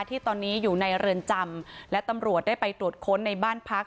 ที่ตอนนี้อยู่ในเรือนจำและตำรวจได้ไปตรวจค้นในบ้านพัก